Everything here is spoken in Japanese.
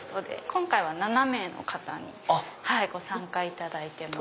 今回は７名の方にご参加いただいてます。